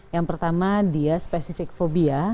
yang pertama dia spesifik fobia